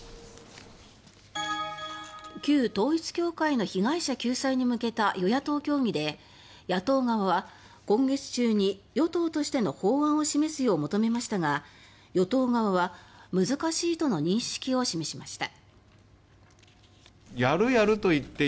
旧統一教会の被害者救済に向けた与野党協議で野党側は今月中に与党としての法案を示すよう求めましたが与党側は難しいとの認識を示しました。